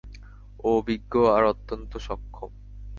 ও অভিজ্ঞ আর অত্যন্ত সক্ষম।